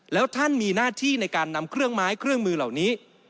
แล้วท่านมีหน้าที่ในการนำเครื่องไม้เครื่องมือเหล่านี้